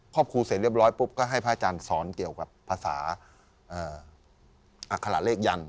อบครูเสร็จเรียบร้อยปุ๊บก็ให้พระอาจารย์สอนเกี่ยวกับภาษาอัคระเลขยันต